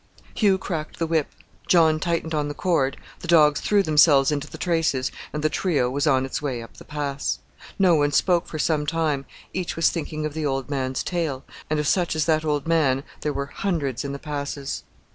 Hugh cracked the whip, John tightened on the cord, the dogs threw themselves into the traces; and the trio was on its way up the Pass. No one spoke for some time; each was thinking of the old man's tale, and of such as that old man there were hundreds in the Passes.